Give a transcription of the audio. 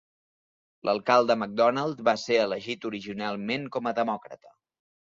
L'alcalde Mcdonald va ser elegit originalment com a demòcrata.